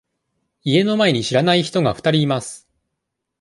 家の前に知らない人が二人います。